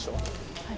はい。